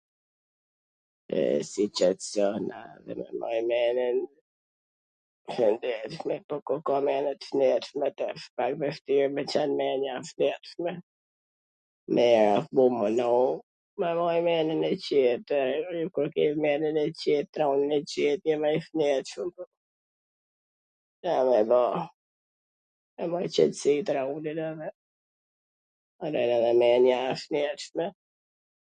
E si qetsohena me majt men-jen t shndetshme, po ku ka men-je t shndetshme, wsht pak vwshtir me qen men-ja e shnetshme, mir asht m u munu me maj men-jen e qet, kur ke men-jen e qet, rron i qet, je mw i shnetshwm, Ca me ba....